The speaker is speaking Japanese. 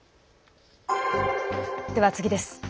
では次です。